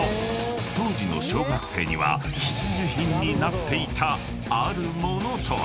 ［当時の小学生には必需品になっていたある物とは？］